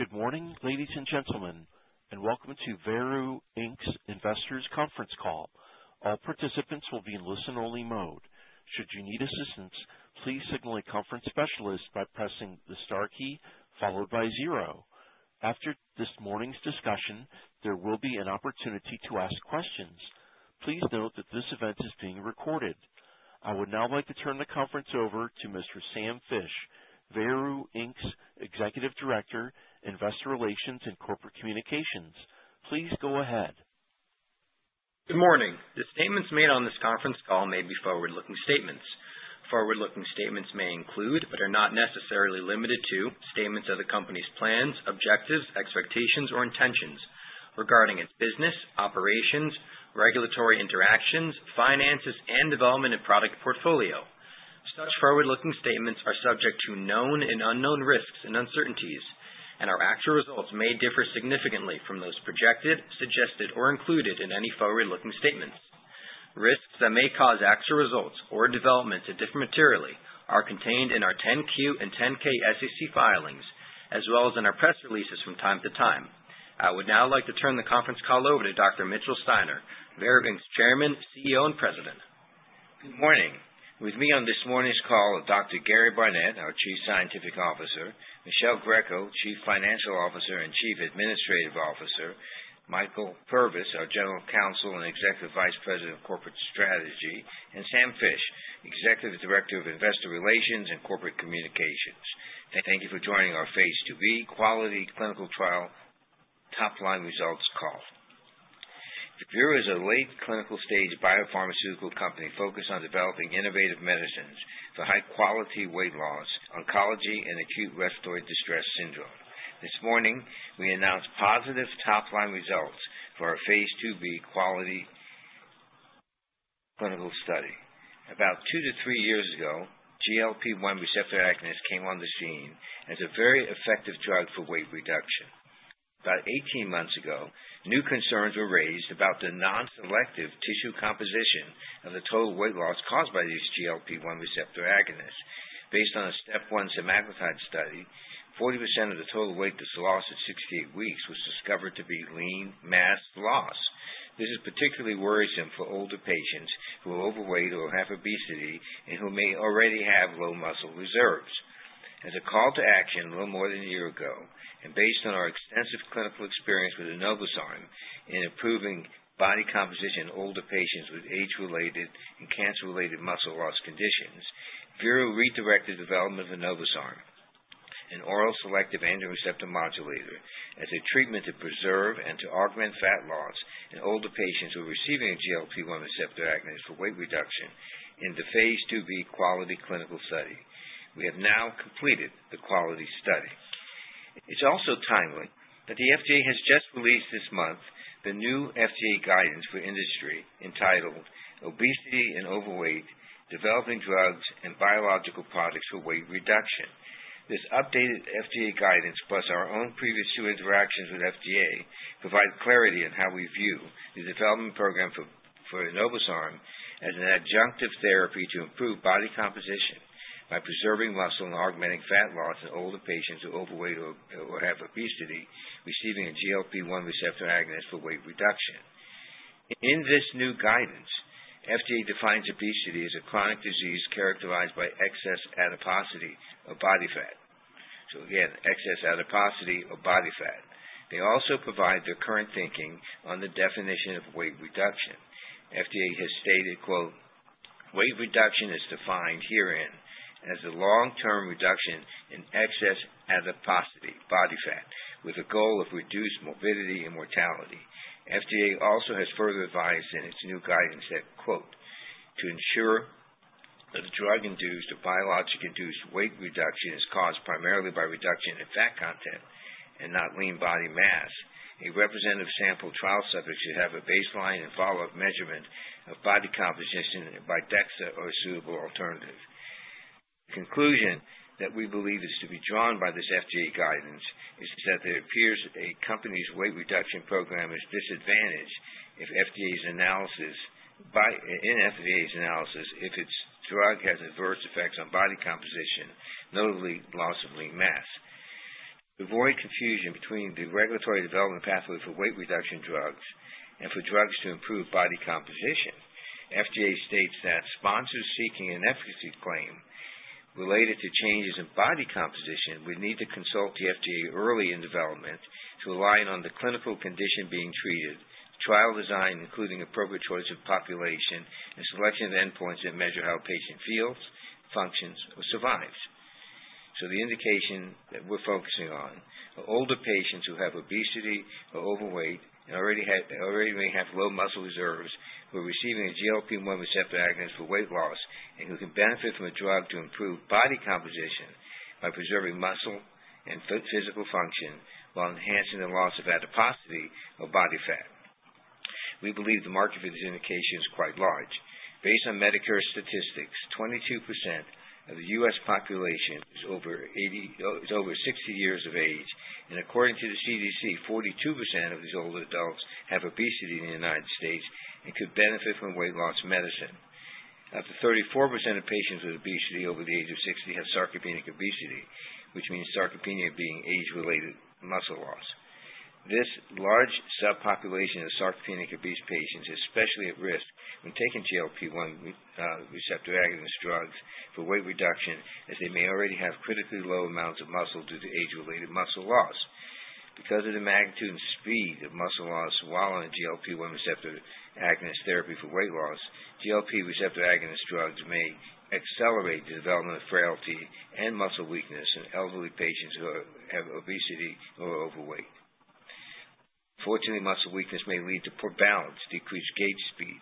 Good morning, ladies and gentlemen, and welcome to Veru Inc.'s investors' conference call. All participants will be in listen-only mode. Should you need assistance, please signal a conference specialist by pressing the star key followed by zero. After this morning's discussion, there will be an opportunity to ask questions. Please note that this event is being recorded. I would now like to turn the conference over to Mr. Sam Fisch, Veru Inc.'s Executive Director, Investor Relations, and Corporate Communications. Please go ahead. Good morning. The statements made on this conference call may be forward-looking statements. Forward-looking statements may include, but are not necessarily limited to, statements of the company's plans, objectives, expectations, or intentions regarding its business, operations, regulatory interactions, finances, and development of product portfolio. Such forward-looking statements are subject to known and unknown risks and uncertainties, and our actual results may differ significantly from those projected, suggested, or included in any forward-looking statements. Risks that may cause actual results or developments that differ materially are contained in our 10-Q and 10-K SEC filings, as well as in our press releases from time to time. I would now like to turn the conference call over to Dr. Mitchell Steiner, Veru Inc.'s Chairman, CEO, and President. Good morning. With me on this morning's call are Dr. Gary Barnette, our Chief Scientific Officer; Michele Greco, Chief Financial Officer and Chief Administrative Officer; Michael Purvis, our General Counsel and Executive Vice President of Corporate Strategy; and Sam Fisch, Executive Director of Investor Relations and Corporate Communications. Thank you for joining our Phase IIb QUALITY clinical trial top-line results call. Veru is a late clinical-stage biopharmaceutical company focused on developing innovative medicines for high-quality weight loss, oncology, and acute respiratory distress syndrome. This morning, we announced positive top-line results for our Phase IIb QUALITY clinical study. About two to three years ago, GLP-1 receptor agonist came on the scene as a very effective drug for weight reduction. About 18 months ago, new concerns were raised about the non-selective tissue composition of the total weight loss caused by these GLP-1 receptor agonists. Based on a STEP 1 semaglutide study, 40% of the total weight that's lost at 68 weeks was discovered to be lean mass loss. This is particularly worrisome for older patients who are overweight or have obesity and who may already have low muscle reserves. As a call to action a little more than a year ago, and based on our extensive clinical experience with enobosarm in improving body composition in older patients with age-related and cancer-related muscle loss conditions, Veru redirected the development of enobosarm, an oral selective androgen receptor modulator, as a treatment to preserve and to augment fat loss in older patients who are receiving a GLP-1 receptor agonist for weight reduction in the Phase IIb QUALITY clinical study. We have now completed the QUALITY study. It's also timely that the FDA has just released this month the new FDA guidance for industry entitled "Obesity and Overweight: Developing Drugs and Biological Products for Weight Reduction." This updated FDA guidance, plus our own previous two interactions with FDA, provides clarity on how we view the development program for enobosarm as an adjunctive therapy to improve body composition by preserving muscle and augmenting fat loss in older patients who are overweight or have obesity receiving a GLP-1 receptor agonist for weight reduction. In this new guidance, FDA defines obesity as a chronic disease characterized by excess adiposity or body fat. So again, excess adiposity or body fat. They also provide their current thinking on the definition of weight reduction. FDA has stated, "Weight reduction is defined herein as the long-term reduction in excess adiposity (body fat) with a goal of reduced morbidity and mortality." FDA also has further advised in its new guidance that "To ensure that a drug-induced or biologic-induced weight reduction is caused primarily by reduction in fat content and not lean body mass, a representative sample trial subject should have a baseline and follow-up measurement of body composition by DEXA or a suitable alternative." The conclusion that we believe is to be drawn by this FDA guidance is that there appears a company's weight reduction program is disadvantaged in FDA's analysis if its drug has adverse effects on body composition, notably loss of lean mass. To avoid confusion between the regulatory development pathway for weight reduction drugs and for drugs to improve body composition, FDA states that sponsors seeking an efficacy claim related to changes in body composition would need to consult the FDA early in development to align on the clinical condition being treated, trial design including appropriate choice of population, and selection of endpoints that measure how a patient feels, functions, or survives. So the indication that we're focusing on are older patients who have obesity or overweight and already may have low muscle reserves, who are receiving a GLP-1 receptor agonist for weight loss and who can benefit from a drug to improve body composition by preserving muscle and physical function while enhancing the loss of adiposity or body fat. We believe the market for this indication is quite large. Based on Medicare statistics, 22% of the U.S. Population is over 60 years of age, and according to the CDC, 42% of these older adults have obesity in the United States and could benefit from weight loss medicine. Up to 34% of patients with obesity over the age of 60 have sarcopenic obesity, which means sarcopenia being age-related muscle loss. This large subpopulation of sarcopenic obese patients is especially at risk when taking GLP-1 receptor agonist drugs for weight reduction as they may already have critically low amounts of muscle due to age-related muscle loss. Because of the magnitude and speed of muscle loss while on a GLP-1 receptor agonist therapy for weight loss, GLP-1 receptor agonist drugs may accelerate the development of frailty and muscle weakness in elderly patients who have obesity or are overweight. Fortunately, muscle weakness may lead to poor balance, decreased gait speed,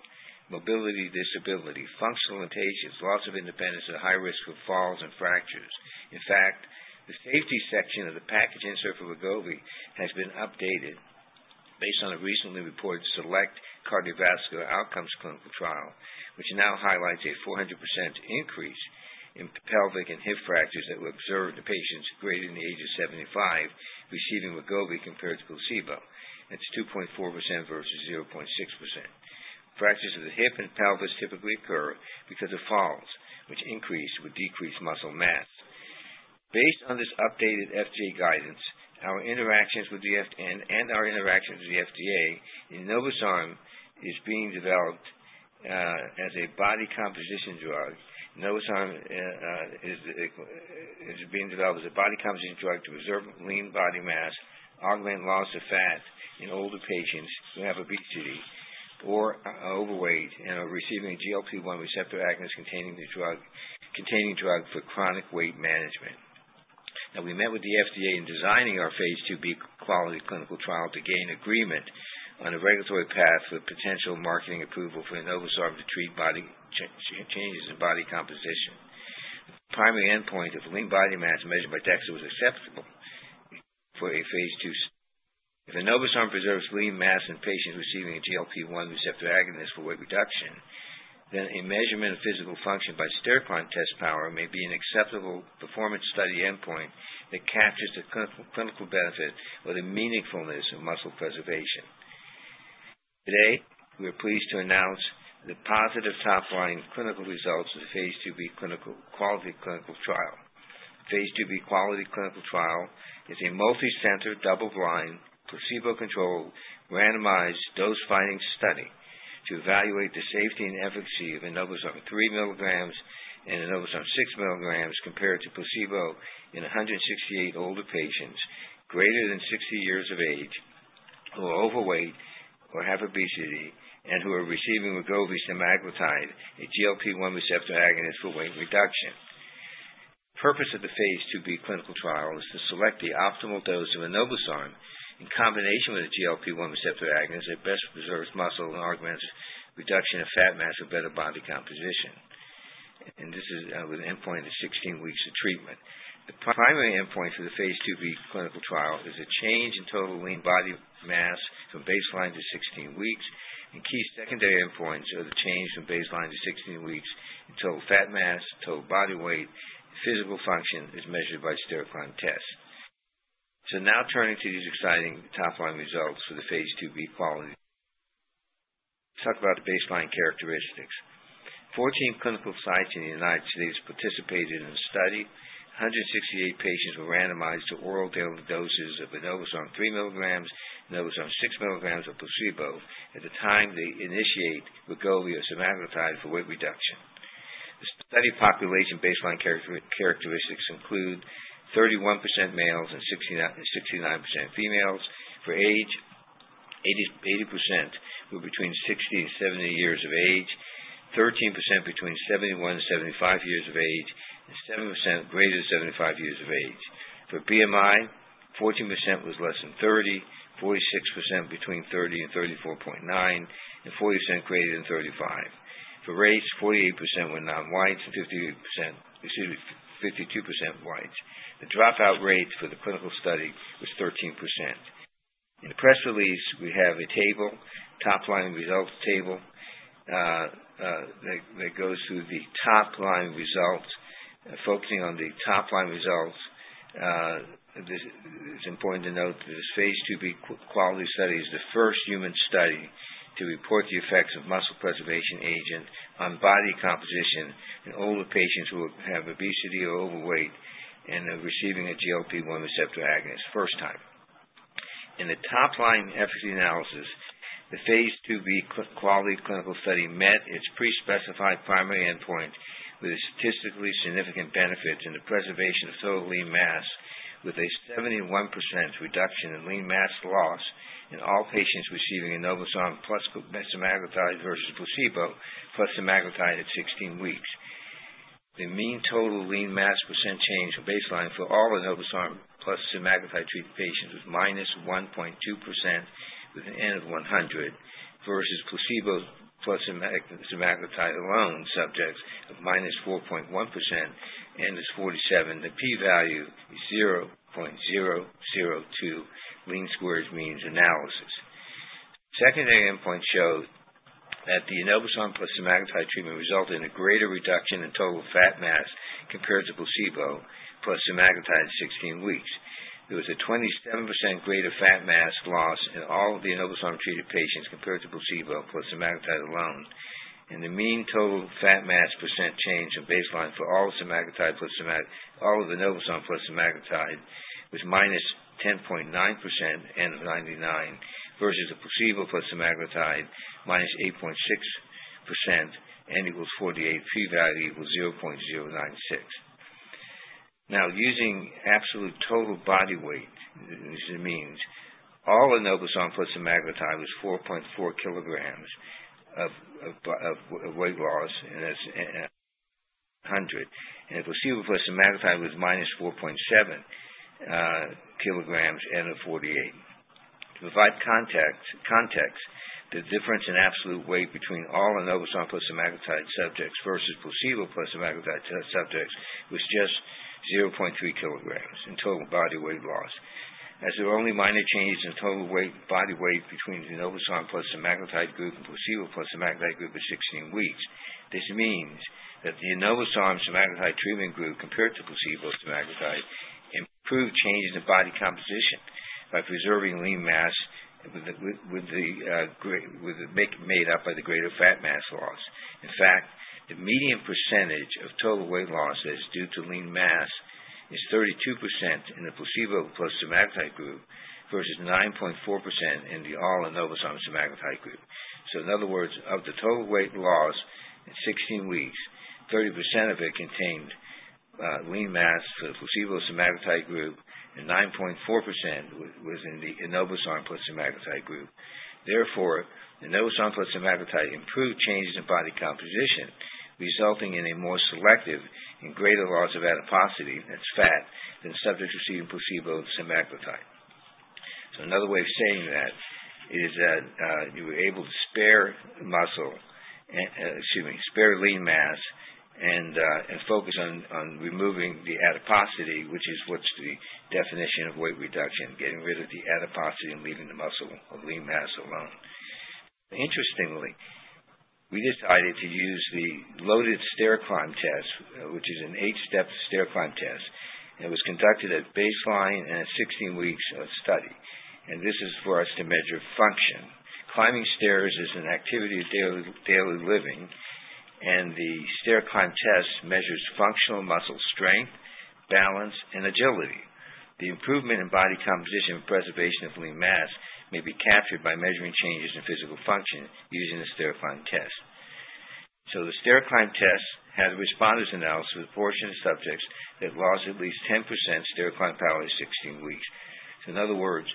mobility disability, functional limitations, loss of independence, and a high risk of falls and fractures. In fact, the safety section of the package insert for Wegovy has been updated based on a recently reported SELECT cardiovascular outcomes clinical trial, which now highlights a 400% increase in pelvic and hip fractures that were observed in patients greater than the age of 75 receiving Wegovy compared to placebo. That's 2.4% versus 0.6%. Fractures of the hip and pelvis typically occur because of falls, which increase with decreased muscle mass. Based on this updated FDA guidance, our interactions with the FDA, enobosarm is being developed as a body composition drug. Enobosarm is being developed as a body composition drug to preserve lean body mass, augment loss of fat in older patients who have obesity or are overweight and are receiving a GLP-1 receptor agonist containing the drug for chronic weight management. Now, we met with the FDA in designing our Phase IIb QUALITY clinical trial to gain agreement on a regulatory path with potential marketing approval for enobosarm to treat changes in body composition. The primary endpoint of lean body mass measured by DEXA was acceptable for a Phase II. If enobosarm preserves lean mass in patients receiving a GLP-1 receptor agonist for weight reduction, then a measurement of physical function by stair climb test power may be an acceptable performance study endpoint that captures the clinical benefit or the meaningfulness of muscle preservation. Today, we are pleased to announce the positive top-line clinical results of the Phase IIb QUALITY clinical trial. The Phase IIb QUALITY clinical trial is a multicenter double-blind placebo-controlled randomized dose-finding study to evaluate the safety and efficacy of enobosarm 3 mg and enobosarm 6 mg compared to placebo in 168 older patients greater than 60 years of age who are overweight or have obesity and who are receiving Wegovy semaglutide, a GLP-1 receptor agonist for weight reduction. The purpose of Phase IIb QUALITY clinical trial is to SELECT the optimal dose of enobosarm in combination with a GLP-1 receptor agonist that best preserves muscle and augments reduction of fat mass for better body composition, and this is with an endpoint of 16 weeks of treatment. The primary endpoint for the Phase IIb clinical trial is a change in total lean body mass from baseline to 16 weeks, and key secondary endpoints are the change from baseline to 16 weeks in total fat mass, total body weight, and physical function as measured by stair climb tests. So now turning to these exciting top-line results for the Phase IIb QUALITY clinical trial. Let's talk about the baseline characteristics. 14 clinical sites in the United States participated in the study. 168 patients were randomized to oral doses of enobosarm 3 mg, enobosarm 6 mg, or placebo at the time they initiate Wegovy or semaglutide for weight reduction. The study population baseline characteristics include 31% males and 69% females. For age, 80% were between 60 and 70 years of age, 13% between 71 and 75 years of age, and 7% greater than 75 years of age. For BMI, 14% was less than 30, 46% between 30 and 34.9, and 40% greater than 35. For race, 48% were non-whites and 52% whites. The dropout rate for the clinical study was 13%. In the press release, we have a table, top-line results table, that goes through the top-line results. Focusing on the top-line results, it's important to note that this Phase IIb QUALITY study is the first human study to report the effects of muscle preservation agent on body composition in older patients who have obesity or overweight and are receiving a GLP-1 receptor agonist first time. In the top-line efficacy analysis, the Phase IIb QUALITY clinical study met its pre-specified primary endpoint with statistically significant benefits in the preservation of total lean mass, with a 71% reduction in lean mass loss in all patients receiving enobosarm plus semaglutide versus placebo plus semaglutide at 16 weeks. The mean total lean mass percent change from baseline for all enobosarm plus semaglutide treated patients was minus 1.2% with an N of 100 versus placebo plus semaglutide alone subjects of minus 4.1%, N is 47. The p-value is 0.002, least squares means analysis. Secondary endpoint showed that the enobosarm plus semaglutide treatment resulted in a greater reduction in total fat mass compared to placebo plus semaglutide at 16 weeks. There was a 27% greater fat mass loss in all of the enobosarm treated patients compared to placebo plus semaglutide alone. And the mean total fat mass percent change from baseline for all of enobosarm plus semaglutide was minus 10.9%, N of 99, versus the placebo plus semaglutide minus 8.6%, N equals 48, p-value equals 0.096. Now, using absolute total body weight, this means all enobosarm plus semaglutide was 4.4 kilograms of weight loss and that's 100, and placebo plus semaglutide was minus 4.7 kilograms, N of 48. To provide context, the difference in absolute weight between all enobosarm plus semaglutide subjects versus placebo plus semaglutide subjects was just 0.3 kilograms in total body weight loss. As there were only minor changes in total body weight between the enobosarm plus semaglutide group and placebo plus semaglutide group at 16 weeks, this means that the enobosarm semaglutide treatment group compared to placebo semaglutide improved changes in body composition by preserving lean mass made up by the greater fat mass loss. In fact, the median percentage of total weight loss that is due to lean mass is 32% in the placebo plus semaglutide group versus 9.4% in the all enobosarm semaglutide group. In other words, of the total weight loss at 16 weeks, 30% of it contained lean mass for the placebo semaglutide group, and 9.4% was in the enobosarm plus semaglutide group. Therefore, enobosarm plus semaglutide improved changes in body composition, resulting in a more selective and greater loss of adiposity, that's fat, than subjects receiving placebo semaglutide. Another way of saying that is that you were able to spare lean mass and focus on removing the adiposity, which is what's the definition of weight reduction, getting rid of the adiposity and leaving the muscle of lean mass alone. Interestingly, we decided to use the loaded stair climb test, which is an eight-step stair climb test. It was conducted at baseline and at 16 weeks of study, and this is for us to measure function. Climbing stairs is an activity of daily living, and the stair climb test measures functional muscle strength, balance, and agility. The improvement in body composition and preservation of lean mass may be captured by measuring changes in physical function using the stair climb test. So the stair climb test had a responders analysis with a portion of subjects that lost at least 10% stair climb power at 16 weeks. So in other words,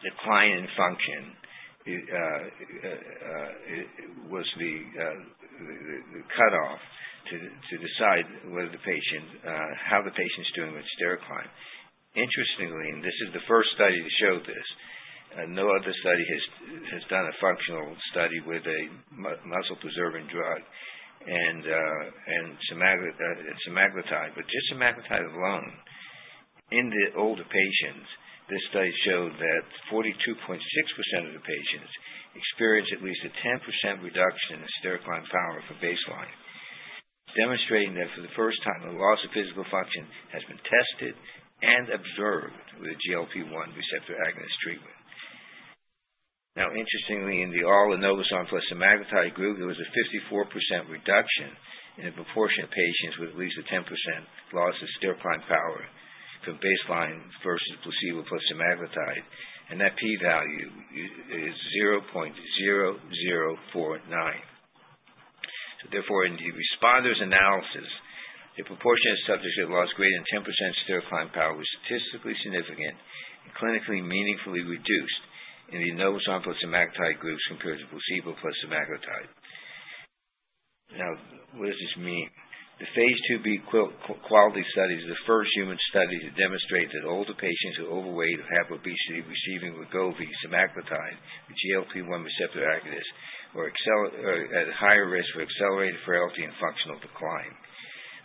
decline in function was the cutoff to decide how the patient's doing with stair climb. Interestingly, and this is the first study to show this, no other study has done a functional study with a muscle-preserving drug and semaglutide, but just semaglutide alone. In the older patients, this study showed that 42.6% of the patients experienced at least a 10% reduction in stair climb power from baseline, demonstrating that for the first time the loss of physical function has been tested and observed with a GLP-1 receptor agonist treatment. Now, interestingly, in the enobosarm plus semaglutide group, there was a 54% reduction in the proportion of patients with at least a 10% loss of stair climb power from baseline versus placebo plus semaglutide, and that p-value is 0.0049, so therefore, in the responders analysis, the proportion of subjects who lost greater than 10% stair climb power was statistically significant and clinically meaningfully reduced in the enobosarm plus semaglutide groups compared to placebo plus semaglutide. Now, what does this mean? The Phase IIb QUALITY study is the first human study to demonstrate that older patients who are overweight or have obesity receiving Wegovy semaglutide with GLP-1 receptor agonist were at higher risk for accelerated frailty and functional decline.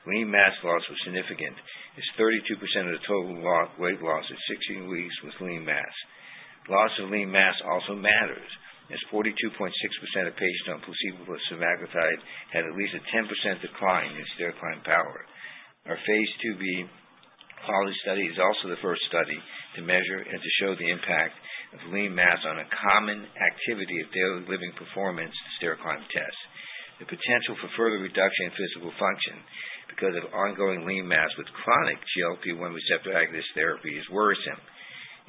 Lean mass loss was significant. It's 32% of the total weight loss at 16 weeks with lean mass. Loss of lean mass also matters. It's 42.6% of patients on placebo plus semaglutide had at least a 10% decline in stair climb power. Our Phase IIb QUALITY study is also the first study to measure and to show the impact of lean mass on a common activity of daily living performance stair climb test. The potential for further reduction in physical function because of ongoing lean mass with chronic GLP-1 receptor agonist therapy is worrisome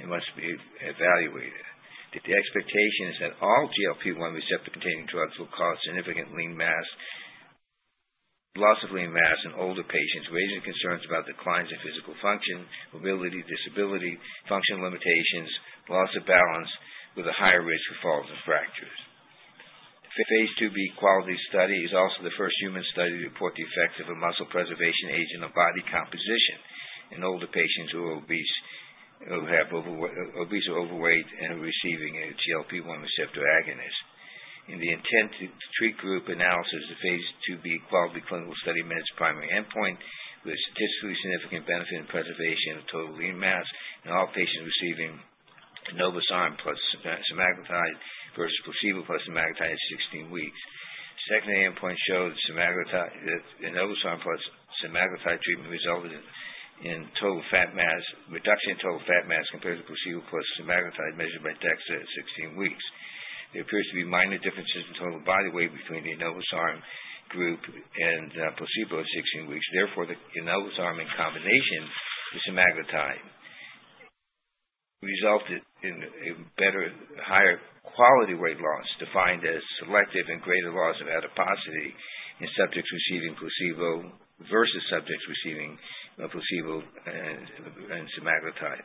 and must be evaluated. The expectation is that all GLP-1 receptor-containing drugs will cause significant loss of lean mass in older patients, raising concerns about declines in physical function, mobility, disability, functional limitations, loss of balance, with a higher risk of falls and fractures. The Phase IIb QUALITY study is also the first human study to report the effects of a muscle preservation agent on body composition in older patients who are obese or overweight and receiving a GLP-1 receptor agonist. In the intent-to-treat group analysis, the Phase IIb QUALITY clinical study met its primary endpoint with statistically significant benefit in preservation of total lean mass in all patients receiving enobosarm plus semaglutide versus placebo plus semaglutide at 16 weeks. Secondary endpoint showed that enobosarm plus semaglutide treatment resulted in reduction in total fat mass compared to placebo plus semaglutide measured by DEXA at 16 weeks. There appears to be minor differences in total body weight between the enobosarm group and placebo at 16 weeks. Therefore, the enobosarm in combination with semaglutide resulted in a better, higher quality weight loss defined as selective and greater loss of adiposity in subjects receiving placebo versus subjects receiving placebo and semaglutide.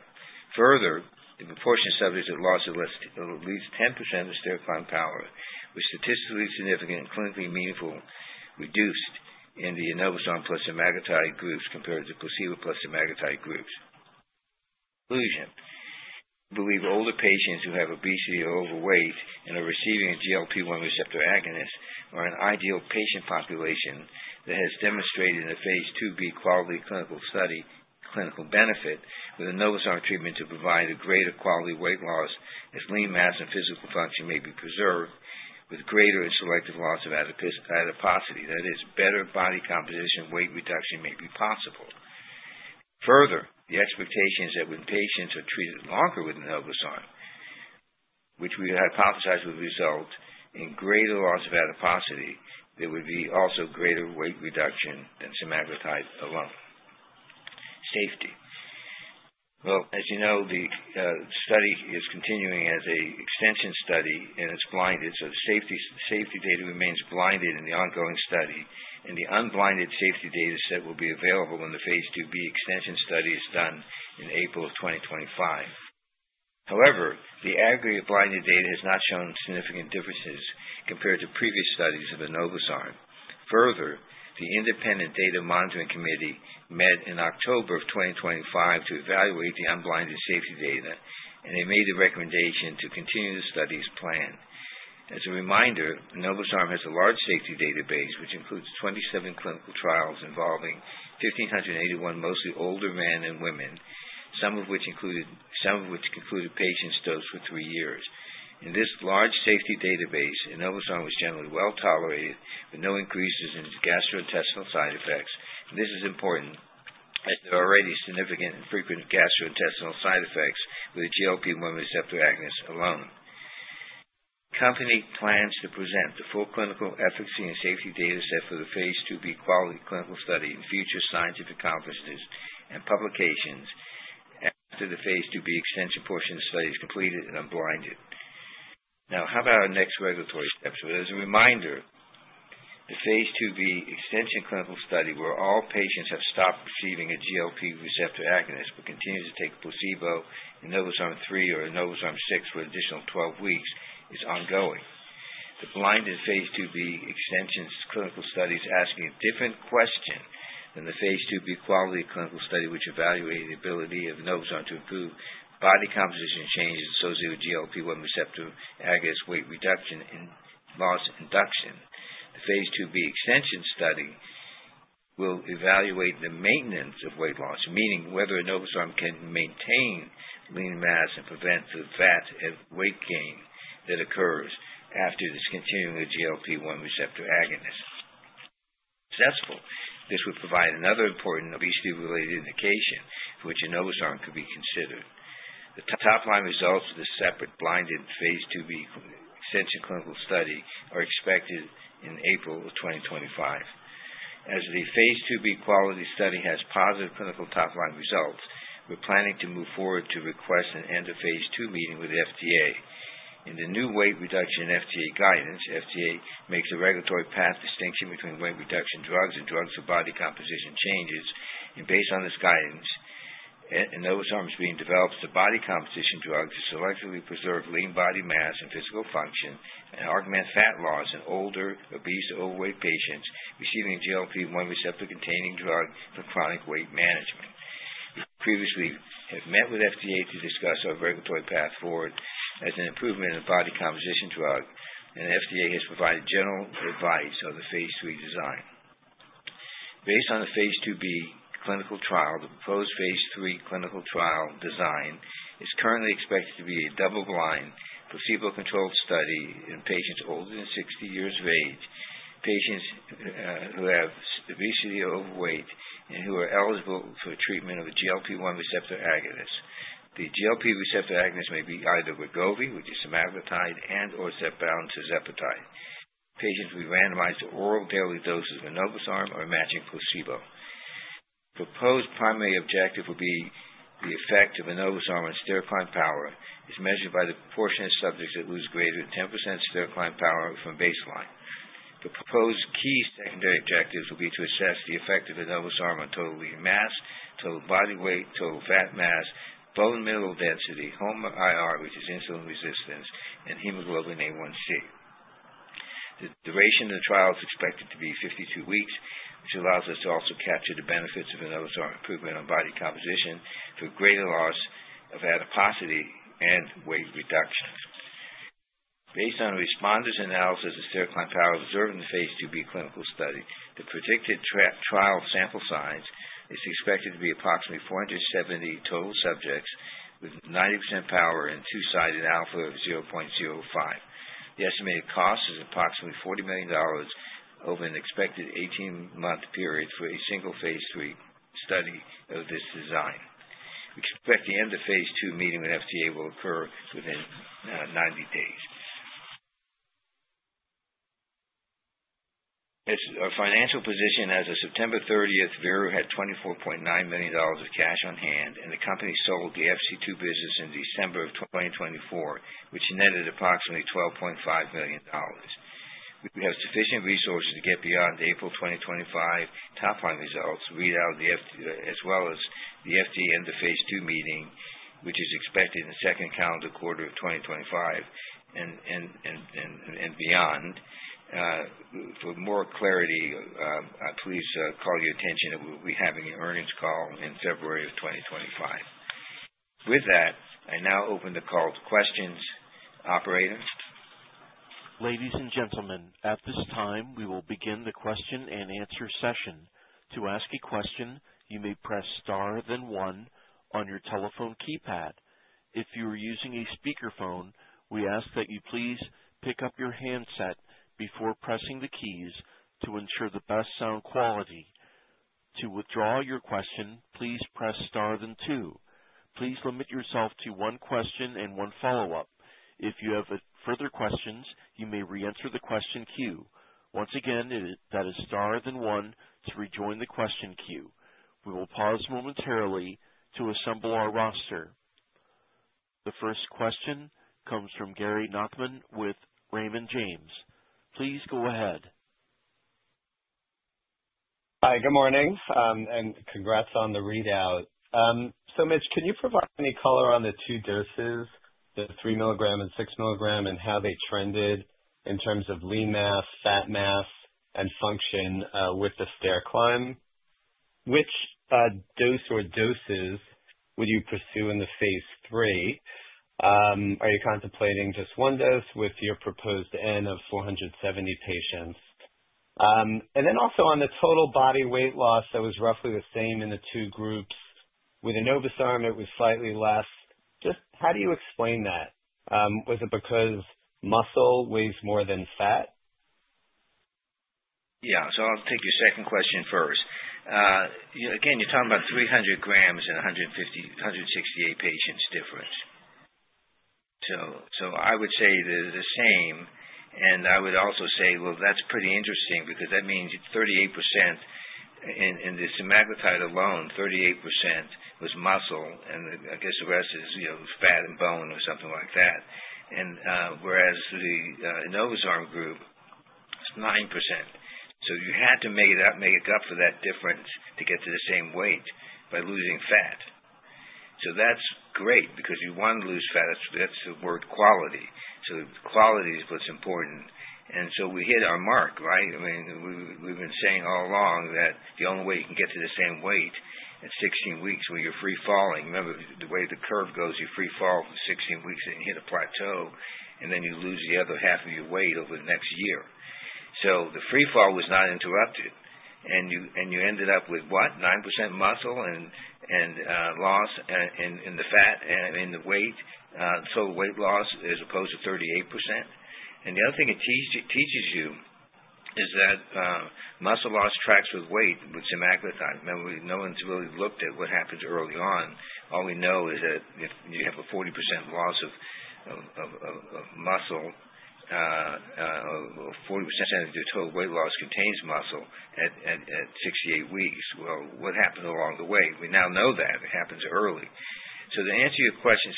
Further, the proportion of subjects that lost at least 10% of stair climb power was statistically significant and clinically meaningfully reduced in the enobosarm plus semaglutide groups compared to placebo plus semaglutide groups. Conclusion: We believe older patients who have obesity or overweight and are receiving a GLP-1 receptor agonist are an ideal patient population that has demonstrated in the Phase 2b QUALITY clinical study clinical benefit with enobosarm treatment to provide a greater quality weight loss as lean mass and physical function may be preserved with greater and selective loss of adiposity. That is, better body composition and weight reduction may be possible. Further, the expectation is that when patients are treated longer with enobosarm which we hypothesize would result in greater loss of adiposity, there would be also greater weight reduction than semaglutide alone. Safety: Well, as you know, the study is continuing as an extension study and it's blinded, so the safety data remains blinded in the ongoing study, and the unblinded safety data set will be available when the phase 2b extension study is done in April of 2025. However, the aggregate blinded data has not shown significant differences compared to previous studies of enobosarm. Further, the Independent Data Monitoring Committee met in October of 2024 to evaluate the unblinded safety data, and they made the recommendation to continue the study as planned. As a reminder, enobosarm has a large safety database which includes 27 clinical trials involving 1,581 mostly older men and women, some of which included patients dosed for three years. In this large safety database, enobosarm was generally well tolerated with no increases in gastrointestinal side effects. This is important as there are already significant and frequent gastrointestinal side effects with a GLP-1 receptor agonist alone. The company plans to present the full clinical efficacy and safety data set for the Phase 2b QUALITY clinical study in future scientific conferences and publications after the phase 2b extension portion of the study is completed and unblinded. Now, how about our next regulatory steps? Well, as a reminder, the phase 2b extension clinical study where all patients have stopped receiving a GLP-1 receptor agonist but continue to take placebo, enobosarm 3, or enobosarm 6 for an additional 12 weeks is ongoing. The blinded phase 2b extension clinical study is asking a different question than the Phase 2b QUALITY clinical study which evaluated the ability of enobosarm to improve body composition changes associated with GLP-1 receptor agonist weight reduction and loss induction. The phase 2b extension study will evaluate the maintenance of weight loss, meaning whether enobosarm can maintain lean mass and prevent the fat weight gain that occurs after discontinuing a GLP-1 receptor agonist. Successful, this would provide another important obesity-related indication for which enobosarm could be considered. The top-line results of the separate blinded phase 2b extension clinical study are expected in April of 2025. As the phase 2b QUALITY study has positive clinical top-line results, we're planning to move forward to request an end-of-phase 2 meeting with the FDA. In the new weight reduction FDA guidance, the FDA makes a regulatory path distinction between weight reduction drugs and drugs for body composition changes, and based on this guidance, enobosarm is being developed as a body composition drug to selectively preserve lean body mass and physical function and augment fat loss in older obese overweight patients receiving a GLP-1 receptor-containing drug for chronic weight management. We previously have met with the FDA to discuss our regulatory path forward as an improvement in the body composition drug, and the FDA has provided general advice on the phase 3 design. Based on the phase 2b clinical trial, the proposed phase 3 clinical trial design is currently expected to be a double-blind placebo-controlled study in patients older than 60 years of age, patients who have obesity or overweight, and who are eligible for treatment of a GLP-1 receptor agonist. The GLP-1 receptor agonist may be either Wegovy, which is semaglutide, and/or Zepbound, which is tirzepatide. Patients will be randomized to oral daily doses of enobosarm or matching placebo. The proposed primary objective will be the effect of enobosarm on stair climb power is measured by the proportion of subjects that lose greater than 10% stair climb power from baseline. The proposed key secondary objectives will be to assess the effect of enobosarm on total lean mass, total body weight, total fat mass, bone mineral density, HOMA-IR, which is insulin resistance, and hemoglobin A1c. The duration of the trial is expected to be 52 weeks, which allows us to also capture the benefits of enobosarm improvement on body composition for greater loss of adiposity and weight reduction. Based on responders analysis of stair climb power observed in the phase 2b clinical study, the predicted trial sample size is expected to be approximately 470 total subjects with 90% power and two-sided alpha of 0.05. The estimated cost is approximately $40 million over an expected 18-month period for a single phase 3 study of this design. We expect the end-of-phase 2 meeting with the FDA will occur within 90 days. Our financial position as of September 30th. Veru had $24.9 million of cash on hand, and the company sold the FC2 business in December of 2024, which netted approximately $12.5 million. We have sufficient resources to get beyond April 2025 top-line results, as well as the FDA end-of-phase 2 meeting, which is expected in the second calendar quarter of 2025 and beyond. For more clarity, please call your attention that we'll be having an earnings call in February of 2025. With that, I now open the call to questions, operator. Ladies and gentlemen, at this time, we will begin the question and answer session. To ask a question, you may press star then one on your telephone keypad. If you are using a speakerphone, we ask that you please pick up your handset before pressing the keys to ensure the best sound quality. To withdraw your question, please press star then two. Please limit yourself to one question and one follow-up. If you have further questions, you may re-enter the question queue. Once again, that is star then one to rejoin the question queue. We will pause momentarily to assemble our roster. The first question comes from Gary Nachman with Raymond James. Please go ahead. Hi, good morning, and congrats on the readout. Mitch, can you provide any color on the two doses, the 3 milligram and 6 milligram, and how they trended in terms of lean mass, fat mass, and function with the stair climb? Which dose or doses would you pursue in the phase 3? Are you contemplating just one dose with your proposed N of 470 patients? And then also on the total body weight loss, that was roughly the same in the two groups. With enobosarm, it was slightly less. Just how do you explain that? Was it because muscle weighs more than fat? Yeah, so I'll take your second question first. Again, you're talking about 300 grams and 168 patients difference. So I would say they're the same, and I would also say, well, that's pretty interesting because that means 38% in the semaglutide alone, 38% was muscle, and I guess the rest is fat and bone or something like that. And whereas the enobosarm group, it's 9%. So you had to make up for that difference to get to the same weight by losing fat. So that's great because you want to lose fat. That's the word quality. So quality is what's important. And so we hit our mark, right? I mean, we've been saying all along that the only way you can get to the same weight at 16 weeks when you're free-falling, remember the way the curve goes, you free-fall for 16 weeks and hit a plateau, and then you lose the other half of your weight over the next year. So the free-fall was not interrupted, and you ended up with what? 9% muscle loss in the fat and in the weight, total weight loss as opposed to 38%? And the other thing it teaches you is that muscle loss tracks with weight with semaglutide. No one's really looked at what happens early on. All we know is that if you have a 40% loss of muscle, 40% of your total weight loss contains muscle at 68 weeks. Well, what happened along the way? We now know that. It happens early. So to answer your question,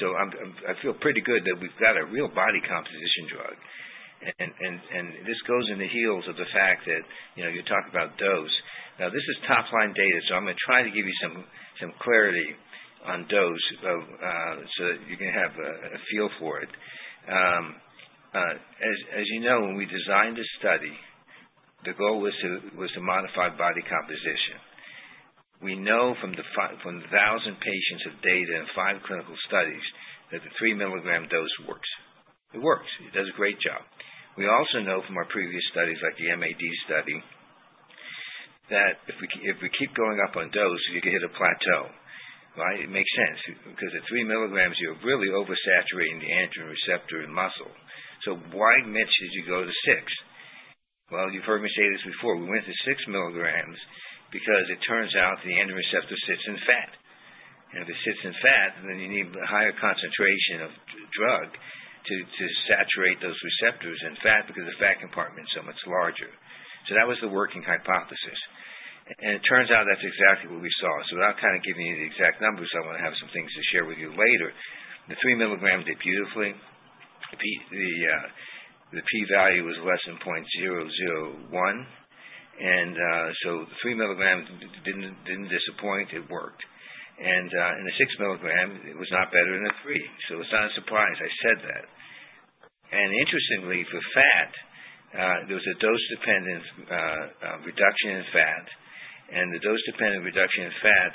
I feel pretty good that we've got a real body composition drug. And this goes on the heels of the fact that you talk about dose. Now, this is top-line data, so I'm going to try to give you some clarity on dose so that you can have a feel for it. As you know, when we designed this study, the goal was to modify body composition. We know from the 1,000 patients of data and five clinical studies that the 3 milligram dose works. It works. It does a great job. We also know from our previous studies, like the MAD study, that if we keep going up on dose, you can hit a plateau, right? It makes sense because at 3 milligrams, you're really oversaturating the androgen receptor in muscle. So why, Mitch, did you go to six? Well, you've heard me say this before. We went to 6 milligrams because it turns out the androgen receptor sits in fat. And if it sits in fat, then you need a higher concentration of drug to saturate those receptors in fat because the fat compartment is so much larger. So that was the working hypothesis. And it turns out that's exactly what we saw. So without kind of giving you the exact numbers, I want to have some things to share with you later. The three milligrams did beautifully. The p-value was less than 0.001, and so the three milligrams didn't disappoint. It worked. And the six milligrams was not better than the three. So it's not a surprise I said that. And interestingly, for fat, there was a dose-dependent reduction in fat, and the dose-dependent reduction in fat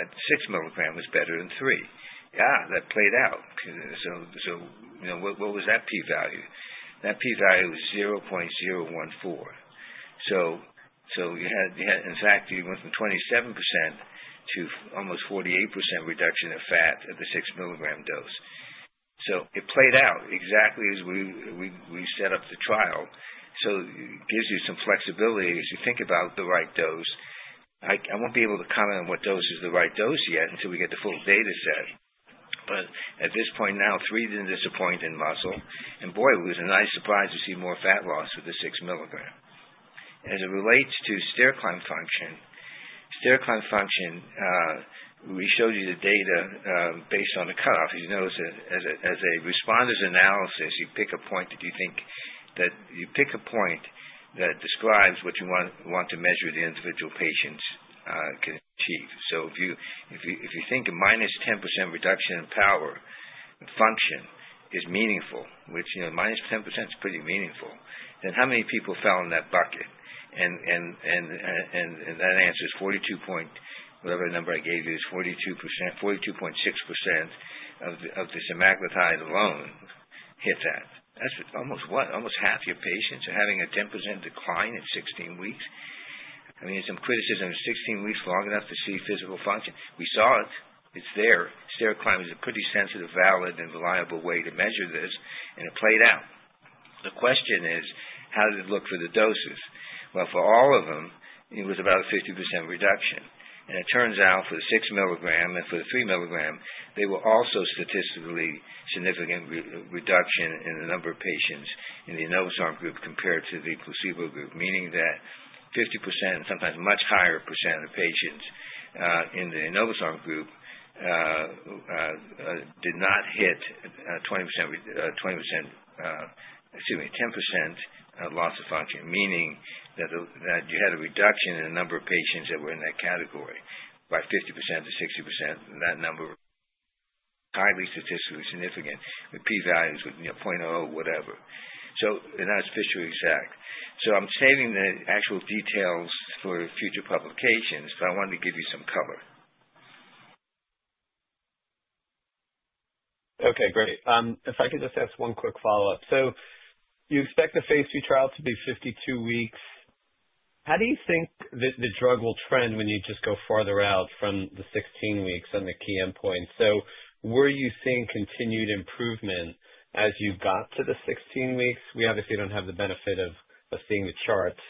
at six milligrams was better than three, that played out. So what was that p-value? That p-value was 0.014. So in fact, you went from 27% to almost 48% reduction of fat at the six milligram dose. So it played out exactly as we set up the trial. So it gives you some flexibility as you think about the right dose. I won't be able to comment on what dose is the right dose yet until we get the full data set. But at this point now, three didn't disappoint in muscle, and boy, it was a nice surprise to see more fat loss with the six milligram. As it relates to stair climb function, we showed you the data based on the cutoff. As you notice, as responders analysis, you pick a point that you think describes what you want to measure the individual patients can achieve. So if you think a minus 10% reduction in power and function is meaningful, which minus 10% is pretty meaningful, then how many people fell in that bucket? That answer is 42 point, whatever number I gave you is 42.6% of the semaglutide alone hit that. That's almost half your patients are having a 10% decline at 16 weeks. I mean, there's some criticism at 16 weeks long enough to see physical function. We saw it. It's there. Stair climb is a pretty sensitive, valid, and reliable way to measure this, and it played out. The question is, how did it look for the doses? Well, for all of them, it was about a 50% reduction. And it turns out for the 6 milligram and for the 3 milligram, there were also statistically significant reductions in the number of patients in the enobosarm group compared to the placebo group, meaning that 50%, sometimes much higher % of patients in the enobosarm group did not hit 20%, excuse me, 10% loss of function, meaning that you had a reduction in the number of patients that were in that category by 50%-60%. That number was highly statistically significant with p-values of 0.00, whatever. So they're not officially exact. So I'm saving the actual details for future publications, but I wanted to give you some color. Okay, great. If I could just ask one quick follow-up. So you expect the phase 3 trial to be 52 weeks. How do you think that the drug will trend when you just go farther out from the 16 weeks on the key endpoints? So were you seeing continued improvement as you got to the 16 weeks? We obviously don't have the benefit of seeing the charts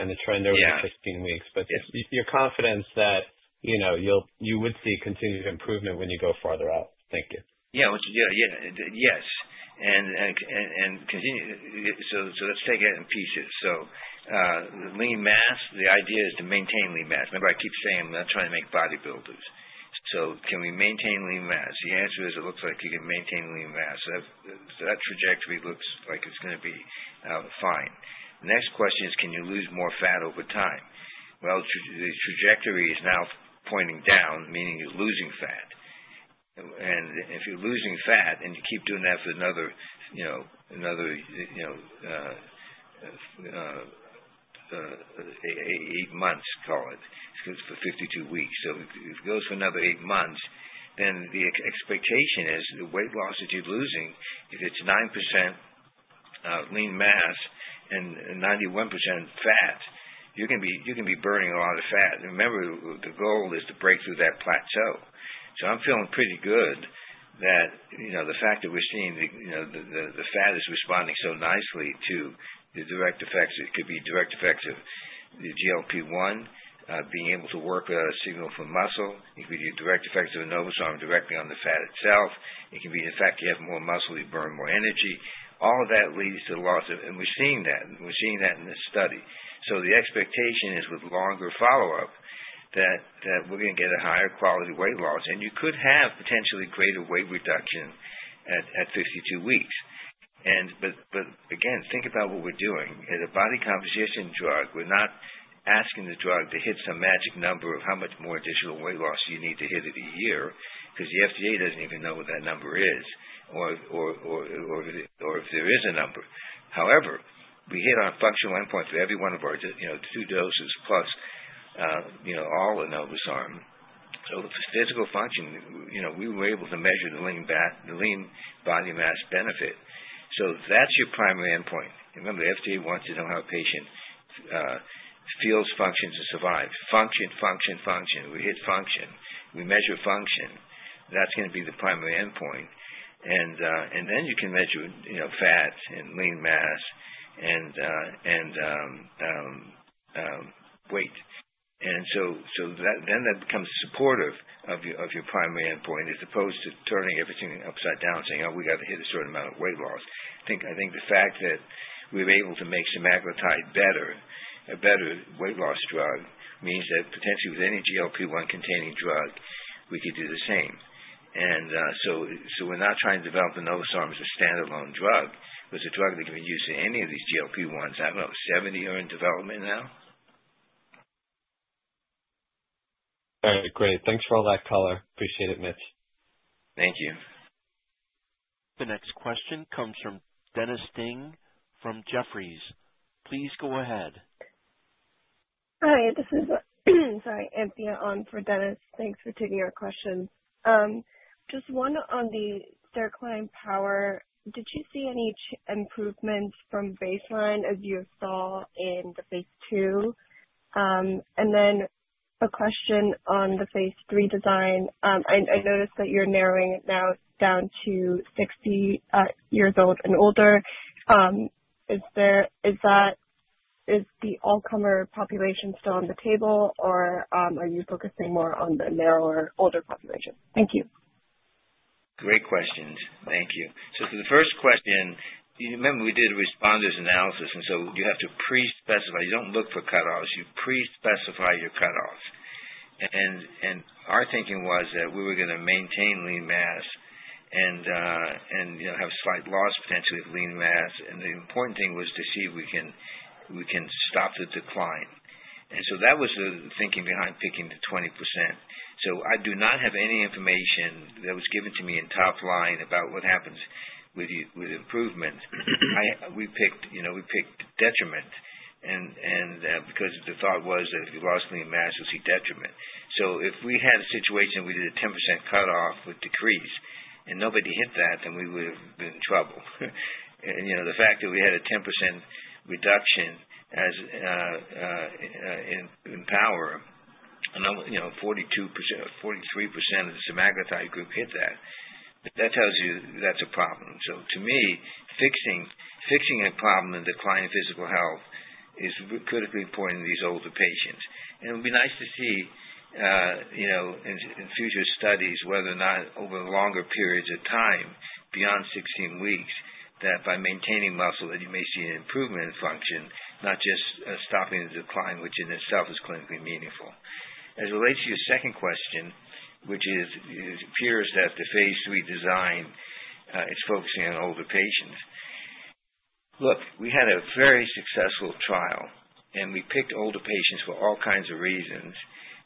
and the trend over the 16 weeks, but your confidence that you would see continued improvement when you go farther out. Thank you. Yeah, yeah, yes, and so let's take it in pieces. So lean mass, the idea is to maintain lean mass. Remember, I keep saying I'm not trying to make bodybuilders. So can we maintain lean mass? The answer is it looks like you can maintain lean mass. That trajectory looks like it's going to be fine. The next question is, can you lose more fat over time? Well, the trajectory is now pointing down, meaning you're losing fat. And if you're losing fat and you keep doing that for another eight months, call it, for 52 weeks, so if it goes for another eight months, then the expectation is the weight loss that you're losing, if it's 9% lean mass and 91% fat, you're going to be burning a lot of fat. Remember, the goal is to break through that plateau. So I'm feeling pretty good that the fact that we're seeing the fat is responding so nicely to the direct effects. It could be direct effects of the GLP-1 being able to work a signal for muscle. It could be direct effects of enobosarm directly on the fat itself. It can be, in fact, you have more muscle, you burn more energy. All of that leads to loss of, and we're seeing that. We're seeing that in this study. So the expectation is with longer follow-up that we're going to get a higher quality weight loss, and you could have potentially greater weight reduction at 52 weeks. But again, think about what we're doing. As a body composition drug, we're not asking the drug to hit some magic number of how much more additional weight loss you need to hit it a year because the FDA doesn't even know what that number is or if there is a number. However, we hit our functional endpoint for every one of our two doses plus all enobosarm. So for physical function, we were able to measure the lean body mass benefit. So that's your primary endpoint. Remember, the FDA wants to know how a patient feels, functions, and survives. Function, function, function. We hit function. We measure function. That's going to be the primary endpoint. And then you can measure fat and lean mass and weight. And so then that becomes supportive of your primary endpoint as opposed to turning everything upside down, saying, "Oh, we got to hit a certain amount of weight loss." I think the fact that we're able to make semaglutide a better weight loss drug means that potentially with any GLP-1 containing drug, we could do the same. And so we're not trying to develop enobosarm as a standalone drug. It's a drug that can be used in any of these GLP-1s. I don't know, 70 are in development now. All right, great. Thanks for all that color. Appreciate it, Mitch. Thank you. The next question comes from Dennis Ding from Jefferies. Please go ahead. Hi, this is, sorry, Anthea on for Dennis. Thanks for taking our questions. Just one on the stair climb power. Did you see any improvements from baseline as you saw in the phase 2? And then a question on the phase 3 design. I noticed that you're narrowing it now down to 60 years old and older. Is the all-comer population still on the table, or are you focusing more on the narrower, older population? Thank you. Great questions. Thank you. So for the first question, remember we did a responders analysis, and so you have to pre-specify. You don't look for cutoffs. You pre-specify your cutoffs, and our thinking was that we were going to maintain lean mass and have slight loss potentially of lean mass. The important thing was to see if we can stop the decline, and so that was the thinking behind picking the 20%. I do not have any information that was given to me in top-line about what happens with improvement. We picked detriment because the thought was that if you lost lean mass, you'll see detriment. If we had a situation where we did a 10% cutoff with decrease and nobody hit that, then we would have been in trouble. The fact that we had a 10% reduction in power, 43% of the semaglutide group hit that, that tells you that's a problem. To me, fixing a problem in decline in physical health is critically important in these older patients. And it would be nice to see in future studies whether or not over longer periods of time beyond 16 weeks that by maintaining muscle, that you may see an improvement in function, not just stopping the decline, which in itself is clinically meaningful. As it relates to your second question, which is it appears that the phase 3 design is focusing on older patients. Look, we had a very successful trial, and we picked older patients for all kinds of reasons.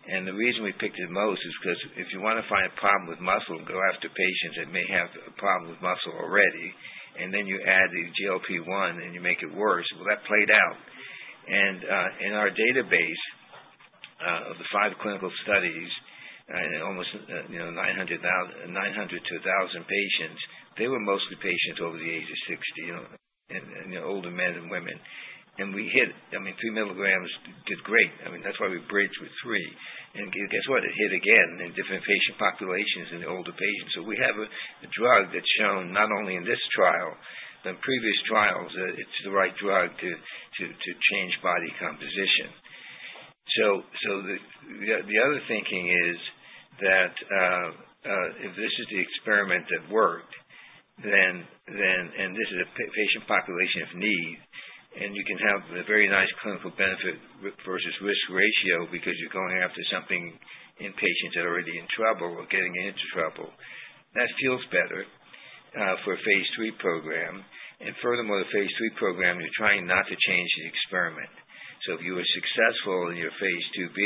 And the reason we picked it most is because if you want to find a problem with muscle, go after patients that may have a problem with muscle already, and then you add the GLP-1 and you make it worse. Well, that played out. In our database of the five clinical studies in almost 900-1,000 patients, they were mostly patients over the age of 60 and older men and women. And we hit, I mean, three milligrams did great. I mean, that's why we bridged with three. And guess what? It hit again in different patient populations and older patients. So we have a drug that's shown not only in this trial, but in previous trials, it's the right drug to change body composition. So the other thinking is that if this is the experiment that worked, and this is a patient population of need, and you can have a very nice clinical benefit versus risk ratio because you're going after something in patients that are already in trouble or getting into trouble, that feels better for a phase 3 program. Furthermore, the phase 3 program, you're trying not to change the experiment. So if you were successful in your phase 2b,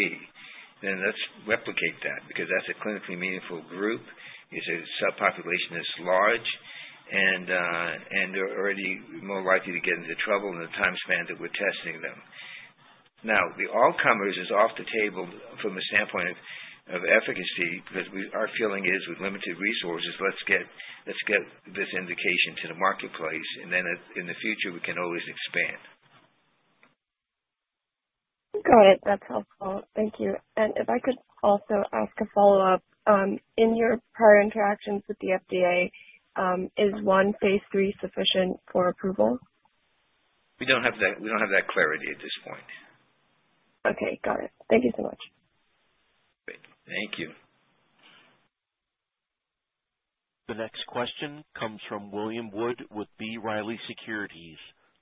then let's replicate that because that's a clinically meaningful group. It's a subpopulation that's large, and they're already more likely to get into trouble in the time span that we're testing them. Now, the all-comers is off the table from a standpoint of efficacy because our feeling is with limited resources, let's get this indication to the marketplace, and then in the future, we can always expand. Got it. That's helpful. Thank you. And if I could also ask a follow-up, in your prior interactions with the FDA, is one phase 3 sufficient for approval? We don't have that. We don't have that clarity at this point. Okay. Got it. Thank you so much. Great. Thank you. The next question comes from William Wood with B. Riley Securities.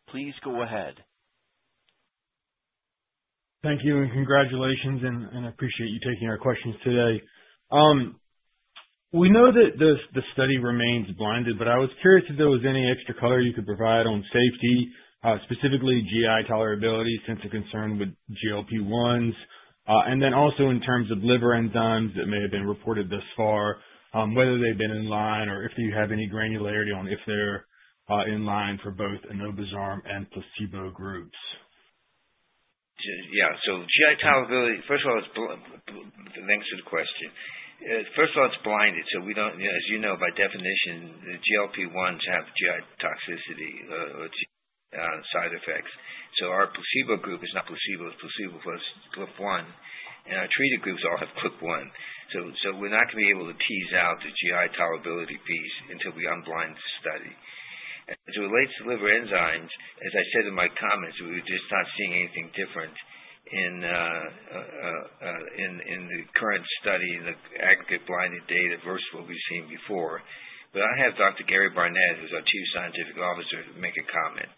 Please go ahead. Thank you, and congratulations, and I appreciate you taking our questions today. We know that the study remains blinded, but I was curious if there was any extra color you could provide on safety, specifically GI tolerability since the concern with GLP-1s, and then also in terms of liver enzymes that may have been reported thus far, whether they've been in line or if you have any granularity on if they're in line for both enobosarm and placebo groups. Yeah. So GI tolerability, first of all, thanks for the question. First of all, it's blinded. So as you know, by definition, the GLP-1s have GI toxicity or side effects. So our placebo group is not placebo. It's placebo plus GLP-1. And our treated groups all have GLP-1. So we're not going to be able to tease out the GI tolerability piece until we unblind the study. As it relates to liver enzymes, as I said in my comments, we're just not seeing anything different in the current study in the aggregate blinded data versus what we've seen before. But I have Dr. Gary Barnette, who's our Chief Scientific Officer, make a comment.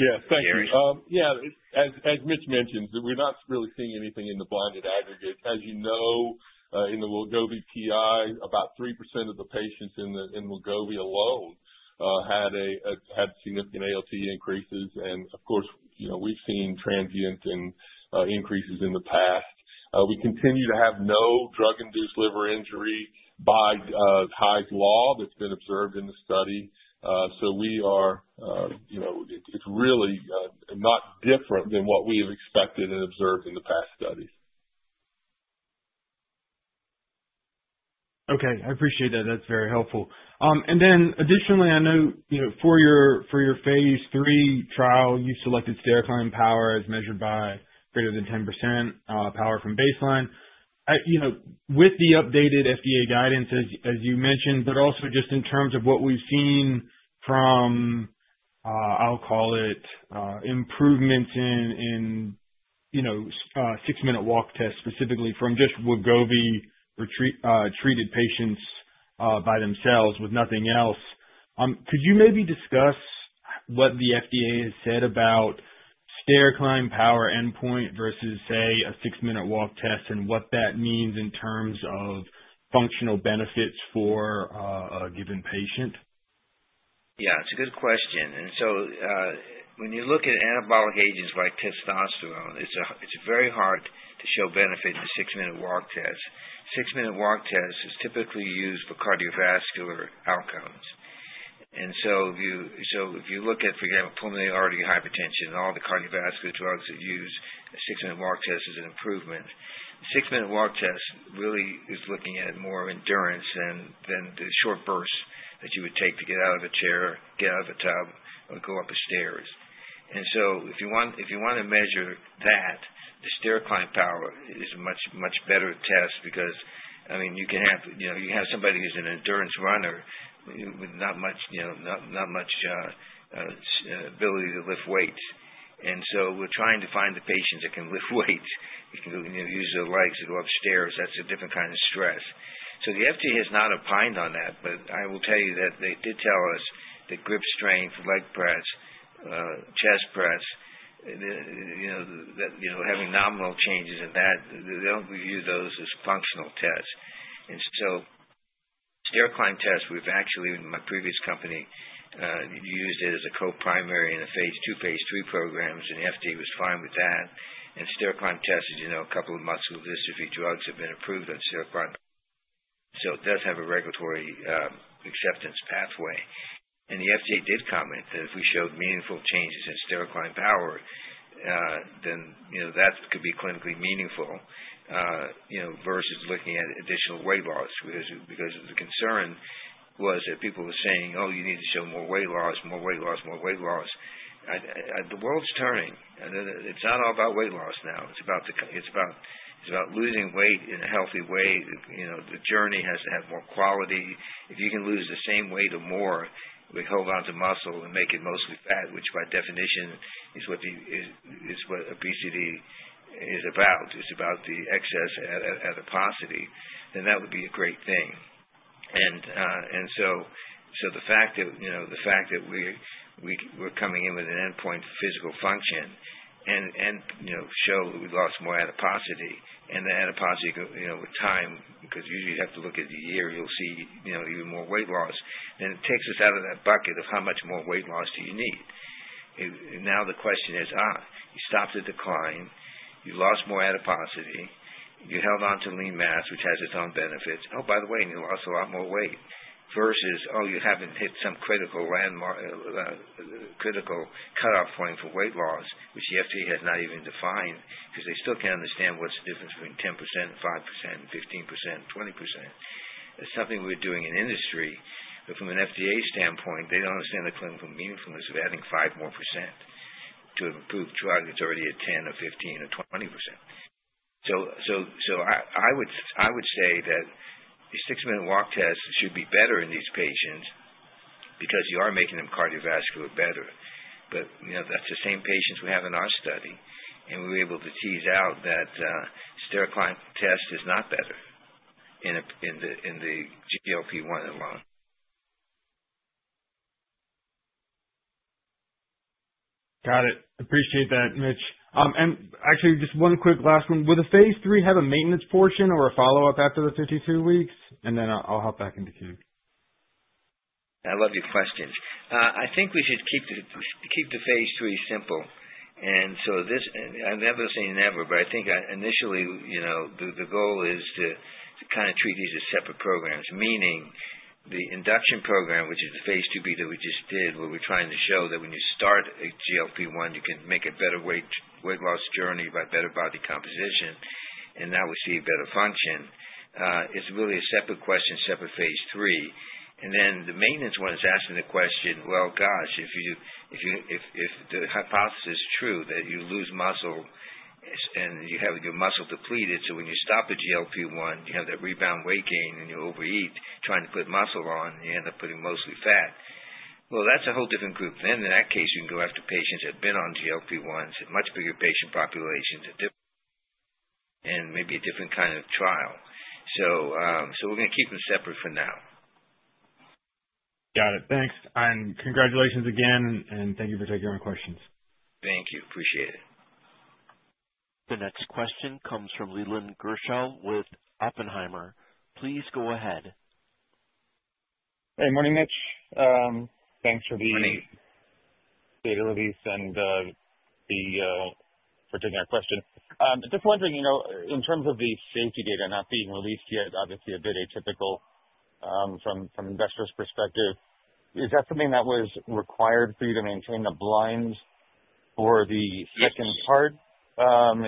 Yeah. Thank you. Yeah. As Mitch mentioned, we're not really seeing anything in the blinded aggregate. As you know, in the Wegovy PI, about 3% of the patients in Wegovy alone had significant ALT increases. And of course, we've seen transient increases in the past. We continue to have no drug-induced liver injury by Hy's Law that's been observed in the study. So it's really not different than what we have expected and observed in the past studies. Okay. I appreciate that. That's very helpful. Then additionally, I know for your phase 3 trial, you SELECTed stair climb power as measured by greater than 10% power from baseline. With the updated FDA guidance, as you mentioned, but also just in terms of what we've seen from, I'll call it, improvements in six-minute walk tests, specifically from just Wegovy-treated patients by themselves with nothing else. Could you maybe discuss what the FDA has said about stair climb power endpoint versus, say, a six-minute walk test and what that means in terms of functional benefits for a given patient? Yeah. It's a good question. And so when you look at anabolic agents like testosterone, it's very hard to show benefit in a six-minute walk test. Six-minute walk test is typically used for cardiovascular outcomes. And so if you look at, for example, pulmonary artery hypertension and all the cardiovascular drugs that use a six-minute walk test, it is an improvement. A six-minute walk test really is looking at more endurance than the short burst that you would take to get out of a chair, get out of a tub, or go up the stairs. And so if you want to measure that, the stair climb power is a much better test because, I mean, you can have somebody who's an endurance runner with not much ability to lift weights. And so we're trying to find the patients that can lift weights, use their legs to go upstairs. That's a different kind of stress. The FDA has not opined on that, but I will tell you that they did tell us that grip strength, leg press, chest press, having nominal changes in that, they don't view those as functional tests. And so stair climb test, we've actually, in my previous company, used it as a co-primary in the phase 2, phase 3 programs, and the FDA was fine with that. And stair climb test is a couple of muscular dystrophy drugs have been approved on stair climb. So it does have a regulatory acceptance pathway. And the FDA did comment that if we showed meaningful changes in stair climb power, then that could be clinically meaningful versus looking at additional weight loss because the concern was that people were saying, "Oh, you need to show more weight loss, more weight loss, more weight loss." The world's turning. It's not all about weight loss now. It's about losing weight in a healthy way. The journey has to have more quality. If you can lose the same weight or more, we hold on to muscle and make it mostly fat, which by definition is what obesity is about. It's about the excess adiposity. Then that would be a great thing, and so the fact that we're coming in with an endpoint for physical function and show that we lost more adiposity and the adiposity with time because usually you have to look at the year, you'll see even more weight loss, then it takes us out of that bucket of how much more weight loss do you need. Now the question is, you stopped the decline, you lost more adiposity, you held on to lean mass, which has its own benefits. Oh, by the way, and you lost a lot more weight versus, oh, you haven't hit some critical cutoff point for weight loss, which the FDA has not even defined because they still can't understand what's the difference between 10% and 5% and 15% and 20%. It's something we're doing in industry. But from an FDA standpoint, they don't understand the clinical meaningfulness of adding 5 more % to improve drug that's already at 10 or 15 or 20%. So I would say that the six-minute walk test should be better in these patients because you are making them cardiovascular better. But that's the same patients we have in our study, and we were able to tease out that stair climb test is not better in the GLP-1 alone. Got it. Appreciate that, Mitch. And actually, just one quick last one. Will the phase 3 have a maintenance portion or a follow-up after the 52 weeks? And then I'll hop back into queue. I love your questions. I think we should keep the phase 3 simple. And so I'm never going to say never, but I think initially, the goal is to kind of treat these as separate programs, meaning the induction program, which is the phase 2b that we just did, where we're trying to show that when you start a GLP-1, you can make a better weight loss journey by better body composition, and that will see better function. It's really a separate question, separate phase 3. And then the maintenance one is asking the question, well, gosh, if the hypothesis is true that you lose muscle and you have your muscle depleted, so when you stop the GLP-1, you have that rebound weight gain and you overeat, trying to put muscle on, you end up putting mostly fat. Well, that's a whole different group. Then in that case, you can go after patients that have been on GLP-1s, a much bigger patient population, and maybe a different kind of trial. So we're going to keep them separate for now. Got it. Thanks. And congratulations again, and thank you for taking our questions. Thank you. Appreciate it. The next question comes from Leland Gershell with Oppenheimer. Please go ahead. Hey. Morning, Mitch. Thanks for the availability and for taking our question. Just wondering, in terms of the safety data not being released yet, obviously a bit atypical from an investor's perspective, is that something that was required for you to maintain a blind for the second part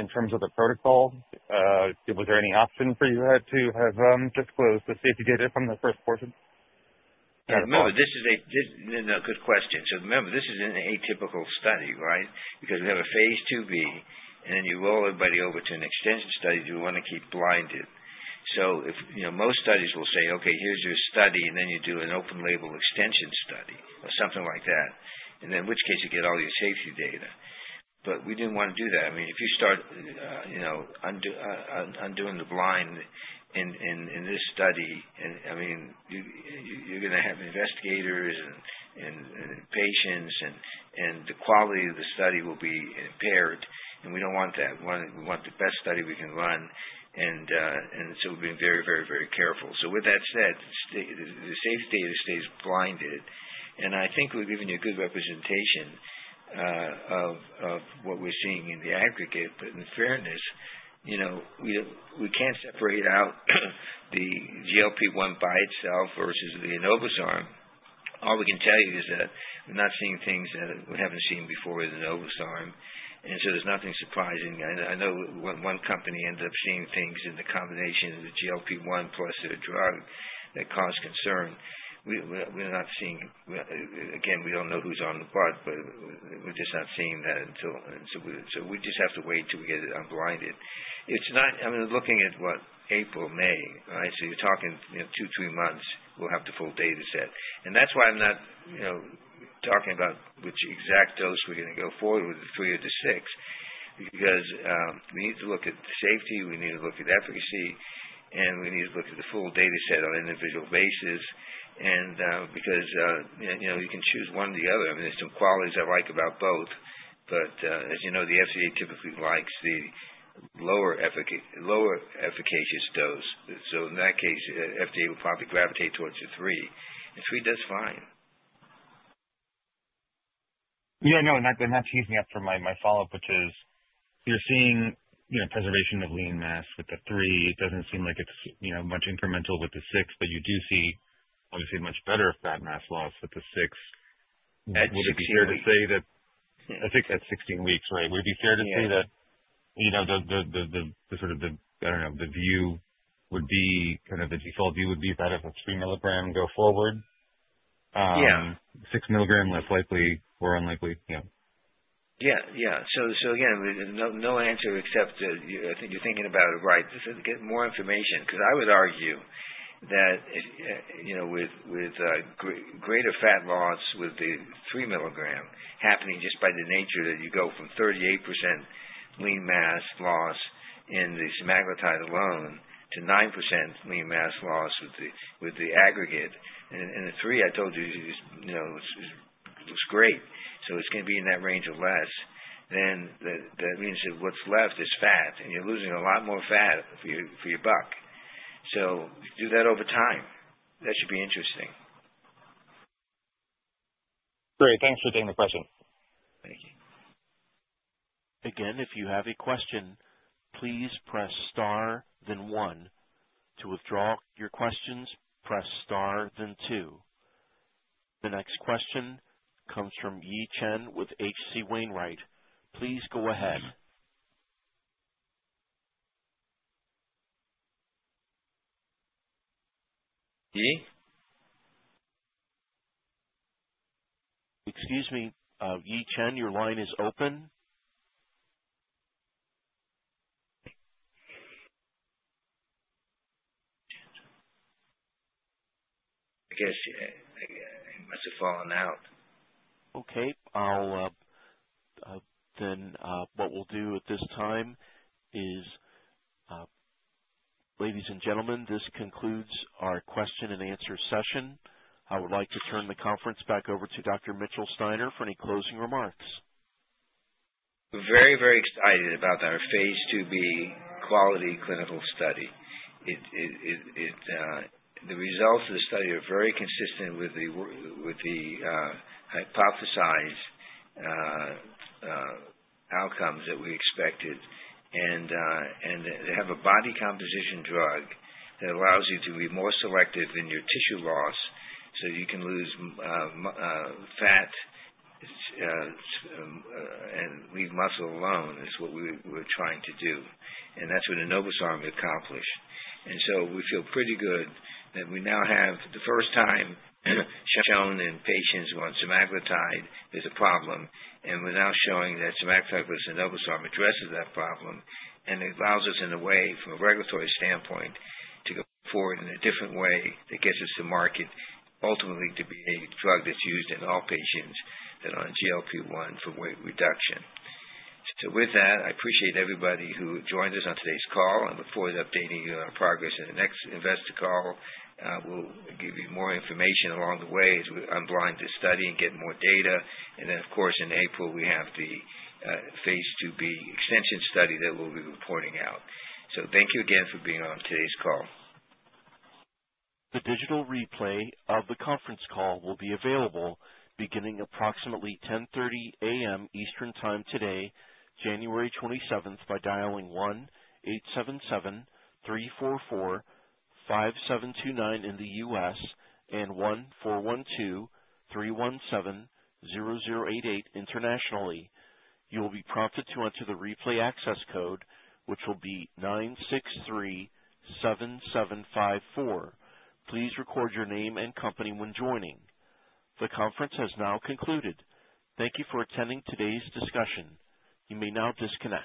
in terms of the protocol? Was there any option for you to have disclosed the safety data from the first portion? Remember, this is a good question, so remember, this is an atypical study, right? Because we have a phase 2b, and then you roll everybody over to an extension study, do you want to keep blinded? So most studies will say, okay, here's your study, and then you do an open-label extension study or something like that, in which case you get all your safety data. But we didn't want to do that. I mean, if you start undoing the blind in this study, I mean, you're going to have investigators and patients, and the quality of the study will be impaired. And we don't want that. We want the best study we can run. And so we've been very, very, very careful. So with that said, the safety data stays blinded. And I think we've given you a good representation of what we're seeing in the aggregate. But in fairness, we can't separate out the GLP-1 by itself versus the enobosarm. All we can tell you is that we're not seeing things that we haven't seen before with enobosarm. And so there's nothing surprising. I know one company ends up seeing things in the combination of the GLP-1 plus their drug that caused concern. We're not seeing again, we don't know who's on the bus, but we're just not seeing that. So we just have to wait till we get it unblinded. I mean, looking at what, April, May, right? So you're talking two, three months. We'll have the full data set. And that's why I'm not talking about which exact dose we're going to go forward with, the three or the six, because we need to look at safety, we need to look at efficacy, and we need to look at the full data set on an individual basis. And because you can choose one or the other. I mean, there's some qualities I like about both. But as you know, the FDA typically likes the lower efficacious dose. So in that case, the FDA would probably gravitate towards the three. And three does fine. Yeah. No, and that's useful for my follow-up, which is you're seeing preservation of lean mass with the three. It doesn't seem like it's much incremental with the six, but you do see, obviously, much better fat mass loss with the six. Would it be fair to say that I think at 16 weeks, right? Would it be fair to say that sort of the, I don't know, the view would be kind of the default view would be that if it's 3 milligram, go forward. Yeah. 6 milligram, less likely or unlikely. Yeah. Yeah. Yeah. So again, no answer except that you're thinking about, right, get more information. Because I would argue that with greater fat loss with the 3 milligram happening just by the nature that you go from 38% lean mass loss in the semaglutide alone to 9% lean mass loss with the aggregate. And the three, I told you, looks great. So it's going to be in that range of less. Then that means that what's left is fat, and you're losing a lot more fat for your buck. So do that over time. That should be interesting. Great. Thanks for taking the question. Thank you. Again, if you have a question, please press star, then one. To withdraw your questions, press star, then two. The next question comes from Yi Chen with H.C. Wainwright. Please go ahead. Yi? Excuse me. Yi Chen, your line is open. I guess it must have fallen out. Okay. Then what we'll do at this time is, ladies and gentlemen, this concludes our question and answer session. I would like to turn the conference back over to Dr. Mitchell Steiner for any closing remarks. Very, very excited about our Phase IIb QUALITY clinical study. The results of the study are very consistent with the hypothesized outcomes that we expected. And they have a body composition drug that allows you to be more selective in your tissue loss so you can lose fat and leave muscle alone, is what we were trying to do. And that's what enobosarm accomplished. And so we feel pretty good that we now have shown, for the first time, in patients who are on semaglutide that there's a problem. And we're now showing that semaglutide versus enobosarm addresses that problem and allows us, in a way, from a regulatory standpoint, to go forward in a different way that gets us to market, ultimately, to be a drug that's used in all patients that are on GLP-1 for weight reduction. So with that, I appreciate everybody who joined us on today's call. I look forward to updating you on our progress. In the next investor call, we'll give you more information along the way as we unblind this study and get more data, and then, of course, in April, we have the phase 2b extension study that we'll be reporting out, so thank you again for being on today's call. The digital replay of the conference call will be available beginning approximately 10:30 A.M. Eastern Time today, January 27th, by dialing 1-877-344-5729 in the U.S. and 1-412-317-0088 internationally. You will be prompted to enter the replay access code, which will be 963-7754. Please record your name and company when joining. The conference has now concluded. Thank you for attending today's discussion. You may now disconnect.